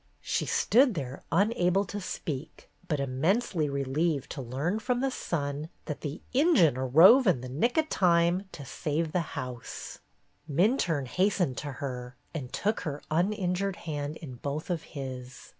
She stood there, unable to speak, but immensely relieved to learn from the son that "the ingine arrove in the nick o' time" to save the house. THE FIRE 141 Minturne hastened to her, and took her un injured hand in both of his.